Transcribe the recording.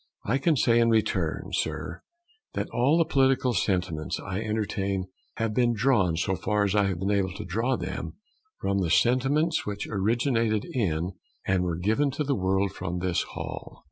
I can say in return, sir, that all the political sentiments I entertain have been drawn, so far as I have been able to draw them, from the sentiments which originated in and were given to the world from this hall.